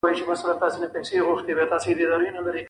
افریقا جنوبي صحرا کې ایتوپیا او روندا مرکزیت لري.